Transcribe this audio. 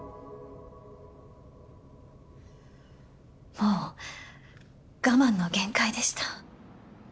もう我慢の限界でした。